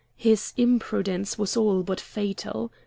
His imprudence was all but fatal.